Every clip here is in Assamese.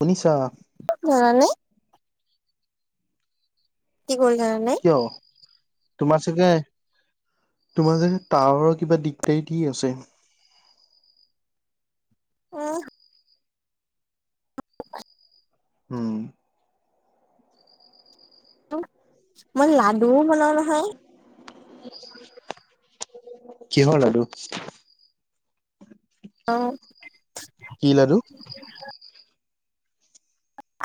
শুনিছা? জানানে কি কৰিছা [unintelligible] থকা নাই কিয়? তোমাৰ চাগে তোমাৰ চাগে টাৱাৰৰ কিবা দিগদাৰী দি আছে। অ'। উম। মই লাডু বনাও নহয়। কিহৰ লাডু? অ' কি লাডু?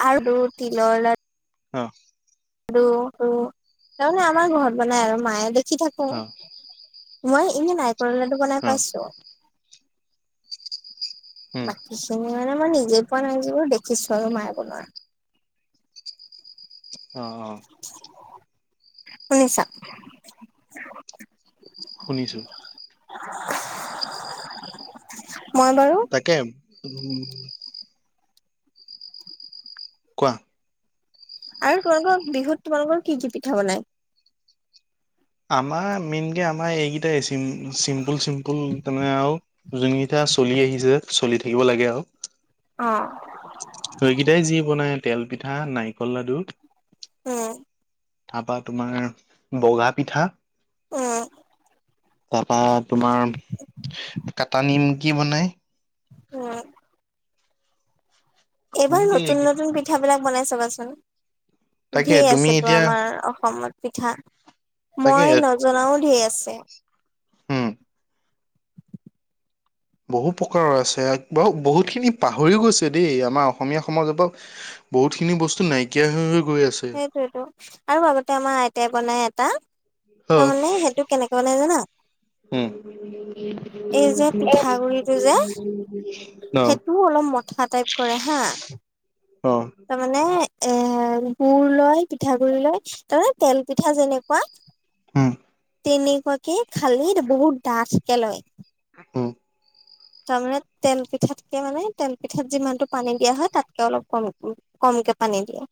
আৰু তিলৰ লাডু অ'। আৰু-ৰু, তাৰমানে আমাৰ ঘৰত বনাই আৰু মায়ে, দেখি থাকো অ', মই এনে নাৰিকলৰ লাডু বনাই অ', পাইছো। উম, বাকীখিনি মানে মই নিজে পোৱা নাই যদিও দেখিছো আৰু মায়ে বনোৱা। অ', অ'। শুনিছা? শুনিছো। মই বাৰু তাকে উম। কোৱা। আৰু তোমালোকৰ, বিহুত তোমালোকৰ কি কি পিঠা বনাই? আমাৰ, মেইনকে আমাৰ এইকেইটাই, চিম্পুল-চিম্পুল, তেনে আৰু যোনকেইটা চলি আহিছে, চলি থাকিব লাগে আৰু। অ'। সৈকেইটাই যি বনাই তেল পিঠা, নাৰিকল লাডু উম। তাৰপা তোমাৰ, বগা পিঠা উম। তাৰপা তোমাৰ, কাটা নিমকি বনাই। উম। এইবাৰ এনেকে নতুন-নতুন, পিঠা বিলাক বনাই চাবাচোন। তাকে ধেৰ তুমি আছেতো, এতিয়া আমাৰ অসমত পিঠা। তাকে মই, নজনাও ধেৰ আছে। উম। বহু প্ৰকাৰৰ আছে, ব-বহুতখিনি, পাহৰিও গৈছে দেই, আমাৰ অসমীয়া সমাজৰ পৰা বহুত খিনি বস্তু নাইকিয় হৈ-হৈ সেইটোয়েইটো, আৰু আগতে আমাৰ, আইতাই বনাই এটা অ তাৰমানে, সেইটো কেনেকে বনাই জানা? এই উম অ সেইটোও অলপ, মথা টাইপ কৰে হা' অ তাৰমানে এ গুৰ লয়, পিঠাগুৰি লয়, তাৰ মানে, তেল পিঠা যেনেকুৱা উম। তেনেকুৱাকে, খালি বহুত ডাঠকে লয়। উম। তাৰমানে, তেল পিঠাতকে মানে, তেল পিঠাত যিমানতটো পানী দিয়া হয়, তাতকে অলপ কম-কম কে পানী দিয়ে,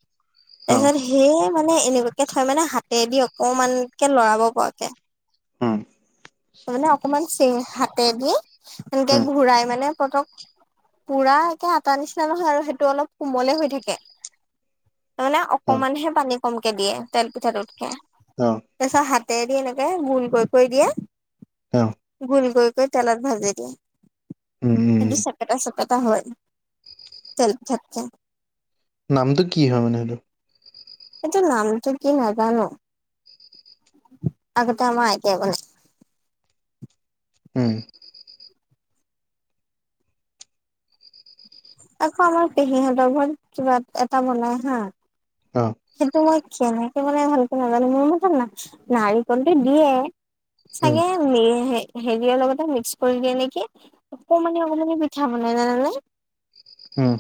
অ তাৰপিছত সেই মানে, এনেকুৱাকে থয় মানে, হাতেদি অকমানকে লৰাব পৰাকে। উম' মানে অকমান, চি হাতে দি, সনেকে উম ঘূৰাই মানে, পতক পুৰা একে আটা নিচিনা নহয় আৰু, সেইটো অলপ কোমলে হৈ থাকে। তাৰ মানে, অ অকমানহে পানী কমকে দিয়ে, তেল পিঠা টোতকে, অ তাৰপাছত হাত তে দি এনেকে গোল কৰি-কৰি অ দিয়ে গোল কৰি-কৰি তেলত ভাজি দিয়ে। উম উম কিন্তু চেপেটা-চেপেটা হয়, তেল পিঠাতকে। নামটো কি হয় মানে সেইটো? সেইটো নামটো কি নাজানো। আগতে, আমাৰ আইতাই বনাই। উম' আকৌ আমাৰ পেহীহঁতৰ ঘৰত, কিবা এটা বনাই হা। অ সেইটো মই, কেনেকে বনাই ভালকে নাজানো, মোৰ মতে না-নাৰিকলটো দিয়ে উম চাগে মে হেৰিয়ৰ লগতে মিক্স কৰি দিয়ে নেকি, অকমানি-অকমানি পিঠা বনাই জানানে? উম'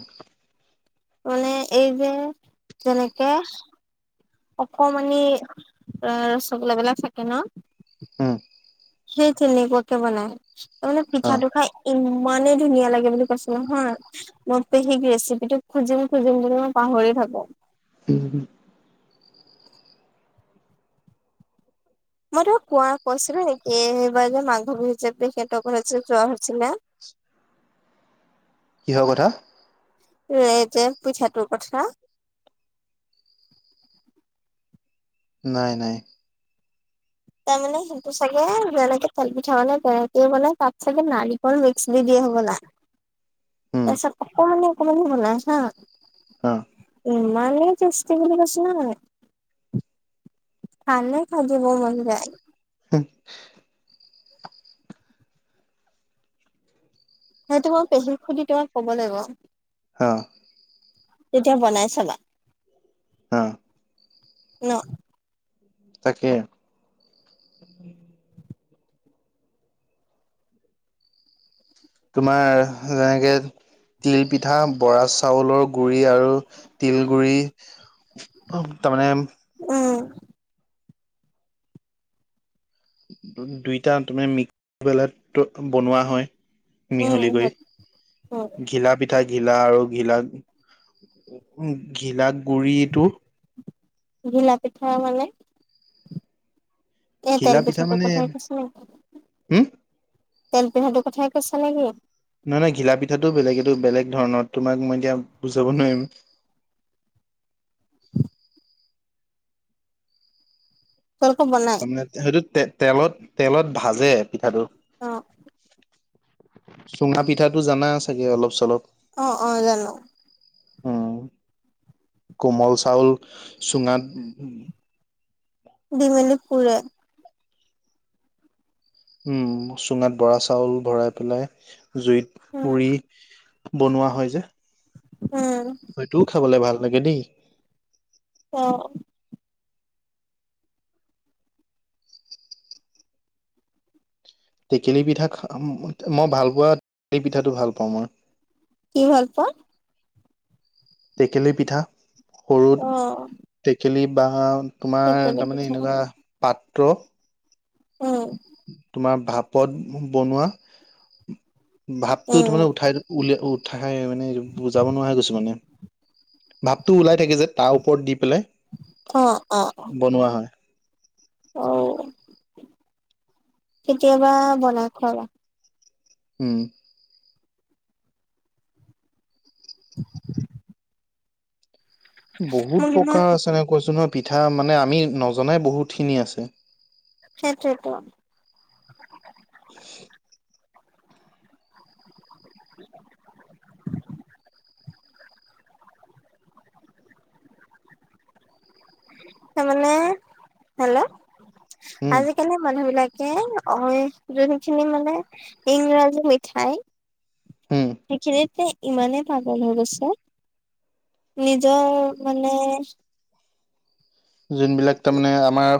মানে, এই যে যেনেকে অকমানমানি ৰসগোল্লাাবিলাক থাকে ন? উম' সেই, তেনেকোৱাকে বনাই, তাৰমানে অ পিঠা টো খাই ইমা ইমানে, ধুনীয়া লাগে বুলি কৈছিলো নহয়, মই পেহীক ৰেচিপিটো খুজিম-খুজিম বুলি মই পাহৰিয়ে থাকো। [unintelligible] উম' মইতো কোৱা কৈছিলো নেকি এইবাৰ যে মানসৱী হিচাপে সহেত ঘ যোৱা হৈছিলে কিহ কথা? এই যে পিঠাটোৰ কথা। নাই', নাই' তাৰ মানে সেইটো চাগে যেনেকে তেল পিঠা বানে তেনেকে বানই তাত চাগে নাৰিকল মিক্স দি দিয়ে। হ'বলা, উম তাৰপিছত অকমানি অকমানি বনাই হা। অ' ইমানেই টেষ্টি বুলি কৈছো নহয় খানে খাজিব মন যায় [inaudible] সেইটো মই পেহীক সুধি তোমাক ক'ব লাগিব অ' তেতিয়া বনাই চাবা অ' ন তাকে তোমাৰ যেনেকে তিল পিঠা বৰা চাউলৰ গুৰি আৰু তিল গুৰি অ' তাৰমানে উম' দুইটা তাৰে মিক্সবেল বনোৱা হয়। উম মিহলি কৰি, উম ঘিলা পিঠা ঘিলা আৰু ঘিলা-ঘিলাক গুৰিটো ঘিলা পিঠা মানে? এ তেল ঘিলা পিঠা পিঠাটোৰ মানে কথাই কৈছ নেকি, হম তেল পিঠাটোৰ কথাই কৈছা নে কি? নহয় নহয়, ঘিলা পিঠাটোও বেলেগ, এইটো বেলেগ ধৰণৰ, তোমাক মই এতিয়া বুজাব নোৱাৰিম। তেওঁলোকে বনাই তাৰমানে সেইটো তে তেলত তেলত ভাজে পিঠাটো অ চুঙা পিঠাটো জানা চাগে অলপ চলপ অ অ জানো উম কোমল চাউল চুঙাত দিমেলি পুৰে উম চুঙাত বৰা চাউল ভৰাই পেলাই জুইত উম পুৰি বনোৱা হয় যে উম হয়টোও খাবলে ভাল লাগে দেই অ টেকেলী পিঠা মই ভাল পোৱা টেল পিঠাটো ভাল পাওঁ মই কি ভাল পোৱা টেকেলি পিঠা সৰুত অ টেকেলি বা তোমাৰ টেকেলি তাৰমানে পিঠা এনেকুৱা পাত কুণতু উম তোমাৰ ভাপত বনোৱা ভাৱটো উম তাৰমানে উঠাই উলিয় উঠাই মানে বুজাব নোৱাৰা হৈ গৈছো মানে ভাৱটো ওলাই থাকি যে তাৰ ওপৰত দি পেলাই অ অ বনোৱা হয় অ কেতিয়াবা বনাই খোৱাবা উম বহুত মোক ইমান প্ৰকাৰৰ আছে এনেক কৈছো নহয় পিঠা মানে আমি নজনাই বহুতখিনি আছে সেইটোয়েটো তাৰ মানে হেল্ল' উম আজিকালি মানুহ বিলাকে অ যোনখিনি মানে ইংৰাজী মিঠাই উম সেইখিনতে ইমানেই পাগল হৈ গৈছে নিজে মানে যোনবিলাক তাৰমানে আমাৰ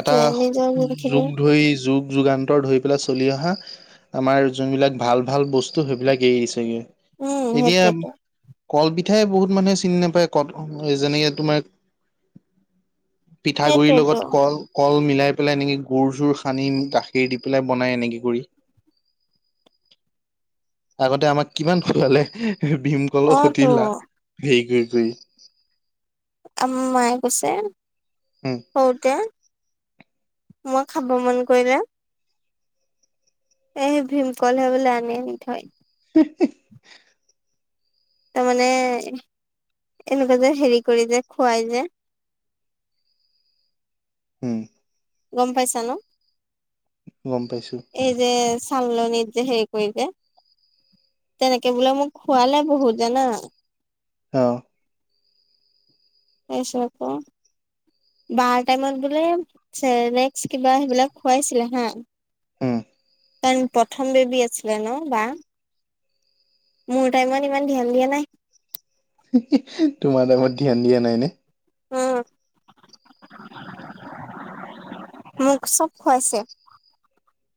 এটা নিজৰ যোনখিনি যুগ ধৰি যগ যুগান্তৰ ধৰি পেলাই চলি অহা আমাৰ যোনবিলাক ভাল ভাল বস্তু সেইবিলাক এৰি দিছেগৈ উম এতিয়া সেইটোৱেতো কল বি পিঠাই বহুত মানুহে চিনি নাপায় ক যেনেকে তোমাৰ পিঠাগুৰিৰ সেইটোৱেতো লগত কল কল মিলাই পেলাই এনেকে গুৰ চুৰ সানি গাখীৰ দি পেলাই বনাই এনেকে কৰি আগতে আমাক কিমান ফলে ভীমকল অ তো খতিলা হেৰি কৰি কৰি মায়ে কৈছে উম সৰুতে মই খাব মন কৰিলে এই ভীমকল হে বোলে আনি আনি থয় তাৰমানে এনেকুৱা যে হেৰি কৰি যে খুৱাই যে হম গম পাইছা ন গম পাইছো ছালনিত যে হে ৰি কৰি যে তেনেকে বোলে মোক খোৱালে বহুত জানা অ, [unintelligible] বাৰ টাইমত বোলে চক্স কিবা সেইবিলাক খুৱাইছিলে হা হম। ত প্ৰথম বেবী আছিলে ন বা মোৰ টাইমত ইমান ধ্যান দিয়া নাই তোমাৰ টাইমত ধ্যান দিয়া নাই ন' উম মোক চব খুৱাইছে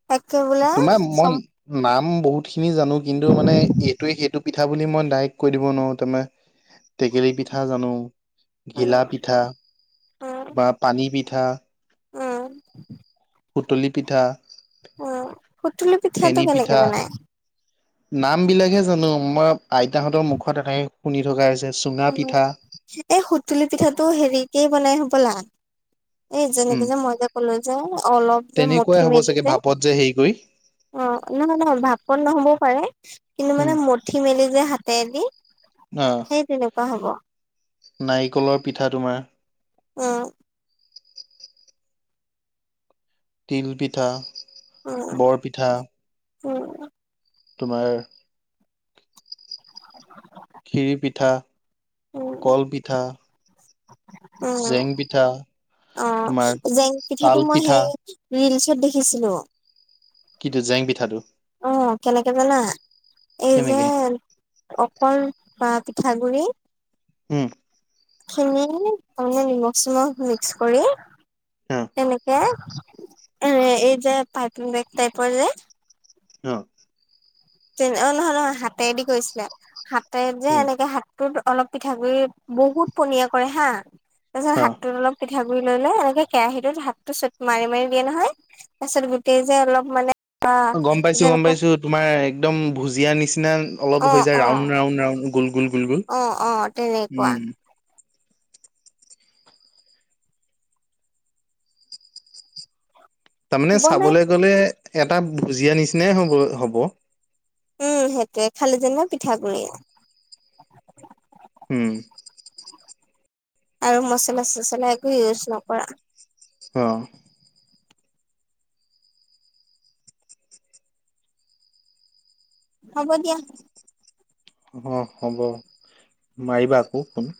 তাকে বোলে তোমাৰ চব মই নাম বহুত খিনি জানো কিন্তু মানে এইটোৱে সেইটো পিঠা বুলি মই ডাইৰেক্ট কৈ দিব নোৱাৰো তাৰমানে টেকেলী পিঠা জানো উম ঘিলা পিঠা উম তোমাৰ পানী পিঠা উম সুতুলি পিঠা উম সুতুলি পিঠাটো ফেনী কেনেকে পিঠা বনাই নাম বিলাকহে জানো আমাৰ আইতাহঁতৰ মুখত এনেকে শুনি থকা হৈছে চুঙা পিঠা এই সুতুলি পিঠাটো হেৰি কে বনাই হ'বলা এই যেনেক উম যে, মই যো ক'লো যে অলপ যে তেনেকুৱাই মঠি হ'ব মেলি চাগে যে, ভাপত হেৰি কৰি অ নহয় নহয় ভাপকণ নহ'বও পাৰে কিন্তু, মানে উম মঠি মেলি যে হাতে দি অ সেই তেনেকুৱা হব নাৰিকলৰ পিঠা তোমাৰ অ, তিল পিঠা, বৰপিঠা উ, তোমাৰ, খিৰি পিঠা উম কল পিঠা, উম জেং পিঠা অ তোমাৰ জেং তাল পিঠাটো মই পিঠা সেই ৰিলচত দেখিছিলো কিন্তু জেং পিঠাটো অ কেনেকে জানা এই যে কেনেকে অকল বা পিঠাগুৰিি হম খিনিত মানে নিমখ চিমখ মিক্স কৰি অ এনেকে এ, এই যে পাইপিং বেগ টাইপৰ যে অ, তেনে অ নহয় নহয় হাতেৰে দি কৈছিলে হাতেৰে যে উম এনেকে হা ত অলপ পিঠাগুডৰি বহুত পনীয়া কৰে হা তাৰ পিছত অ হাতটোত অলপ পিঠাগুৰি লৈ লৈ এনেকে কেৰাহীটোত হাতটো চ মাৰি মাৰি দিয়ে নহয় তাৰপিছত, গোটেই যে অলপ মানে বা অ গম পাইছো, গম যেনেকে পাইছো তোমাৰ একদম ভুজিয়া নিচিনা অলপ অ হৈ যায় অ ৰাউণ্ড-ৰাউণ্ড ৰাউণ্ড গোল-গোল অ, অ, তেনেকুৱা তাৰমানে বনাই চাবলৈ গলে এটা ভুজিয়া নিচিনাই হব হব। উম সেইটোৱে খালি যেন পিঠাগুৰি উম, আৰু মচলা-চচলা একো ইউজ নকৰা অ, হ'ব দিয়া অ হ'ব মাৰিবা আকৌ ফোন।